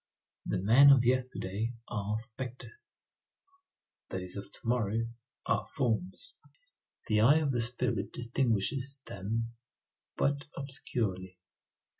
The men of yesterday are spectres; those of to morrow are forms. The eye of the spirit distinguishes them but obscurely.